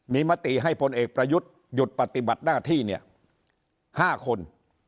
มีมติให้พลเอกประยุทธ์หยุดปฏิบัติหน้าที่เนี่ย๕คน